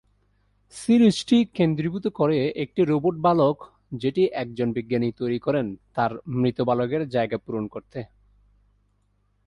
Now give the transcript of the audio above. সিরিজটি কেন্দ্রীভূত করে একটি রোবট বালক যেটি একজন বিজ্ঞানী তৈরি করেন তার মৃত বালকের জায়গা পূরণ করতে।